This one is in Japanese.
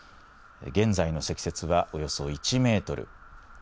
現在の積雪はおよそ１メートル。